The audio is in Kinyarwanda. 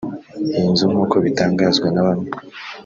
Iyi nzu nk’uko bitangazwa na bamwe